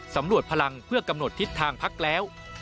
สำรวจพลังเพื่อกำหนดทิศทางพักแล้ว